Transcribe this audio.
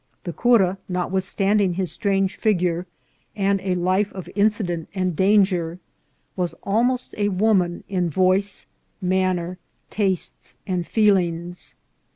The cura, notwithstanding his strange figure, and a life of incident and danger, was almost a woman in voice, manner, tastes, and feelings.